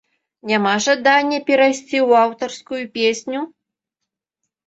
Няма жадання перайсці ў аўтарскую песню?